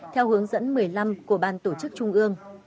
theo hướng dẫn một mươi năm của ban tổ chức trung ương